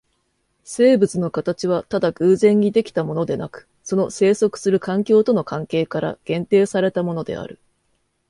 生物の形はただ偶然に出来たものでなく、その棲息する環境との関係から限定されたものである。